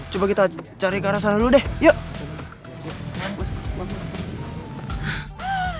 coba kita cari ke arah sana dulu deh yuk